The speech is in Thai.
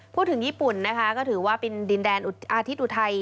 พูดถึงญี่ปุ่นนะคะก็ถือว่าเป็นดินแดนอาทิตย์อุทัย